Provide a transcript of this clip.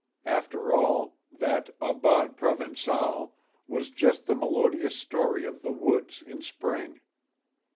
After all, that "Aubade Provençale" was just the melodious story of the woods in spring.